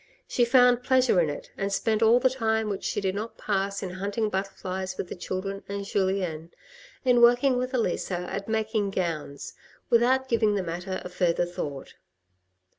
She found pleasure in it and spent all the time which she did not pass in hunting butterflies with the children and Julien, in working with Elisa at making gowns, without giving the matter a further thought.